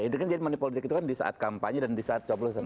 itu kan jadi money politik itu kan di saat kampanye dan di saat coblosan